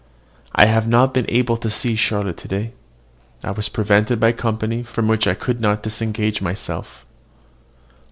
I have not been able to see Charlotte to day. I was prevented by company from which I could not disengage myself.